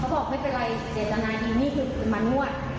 บอกไม่เป็นไรเจตนาดีนี่คือมานวด